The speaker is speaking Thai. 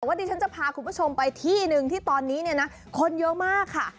วันนี้ฉันจะพาคุณผู้ชมไปที่หนึ่งที่ตอนนี้เนี่ยนะคนเยอะมากค่ะ